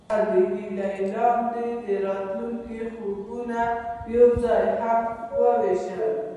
هغوی د هیلې لاندې د راتلونکي خوبونه یوځای هم وویشل.